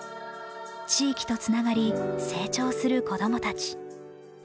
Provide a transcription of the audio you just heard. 地域とつながり成長する子供たち。